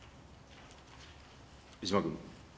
江島君。